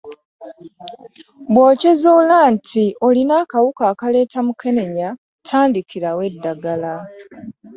bwokizuula nti olina akawuka akaleeta mukenenya tandikirawo eddagala.